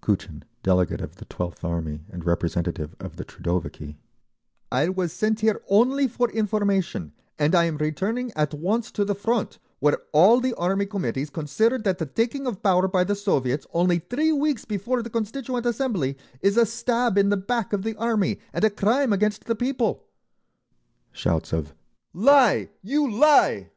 Kutchin, delegate of the 12th Army and representative of the Troudoviki: "I was sent here only for information, and I am returning at once to the Front, where all the Army Committees consider that the taking of power by the Soviets, only three weeks before the Constituent Assembly, is a stab in the back of the Army and a crime against the people—!" Shouts of "Lie! You lie!"